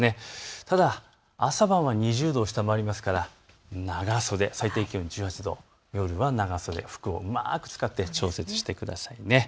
ただ朝晩は２０度を下回りますから長袖、最低気温１８度、長袖などをうまく使って対応してください。